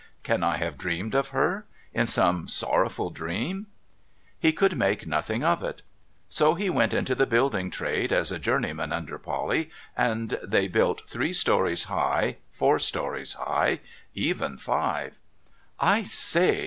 Can I have dreamed of her ? In some sorrowful dream ?' He could make nothing of it. So he went into the building trade as a journeyman under Polly, and they built three stories high, four stories high ; even five. 'I say!